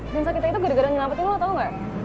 dan sakitnya itu gara gara nyelamatin lo tau ga